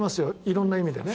色んな意味でね。